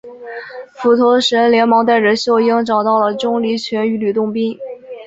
斧头神连忙带着秀英找到了钟离权与吕洞宾。